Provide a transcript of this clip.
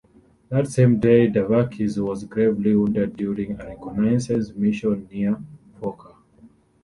That same day, Davakis was gravely wounded during a reconnaissance mission near Fourka.